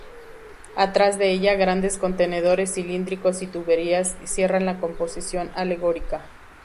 Atrás de ella, grandes contenedores cilíndricos y tuberías cierran la composición alegórica.